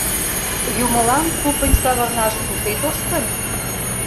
Юмылан тупынь савырнаш кузе тоштын?